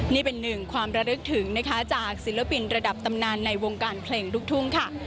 นี่เป็นหนึ่งความระลึกถึงนะคะจากศิลปินระดับตำนานในวงการเพลงลูกทุ่งค่ะ